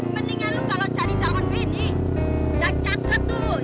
mendingan lo kalau cari calon bini yang cakep tuh